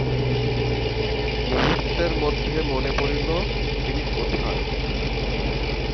মুহূর্তের মধ্যে মনে পড়িল, তিনি কোথায়।